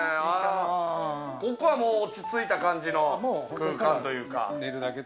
ここはもう落ち着いた感じの空間というか。